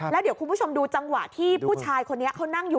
แล้วเดี๋ยวคุณผู้ชมดูจังหวะที่ผู้ชายคนนี้เขานั่งอยู่